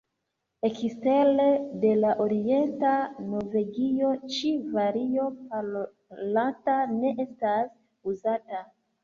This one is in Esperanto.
Ekstere de la orienta Norvegio ĉi vario parolata ne estas uzata.